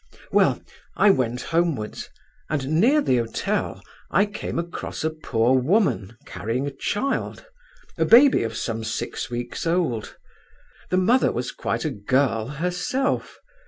"Well, I went homewards, and near the hotel I came across a poor woman, carrying a child—a baby of some six weeks old. The mother was quite a girl herself.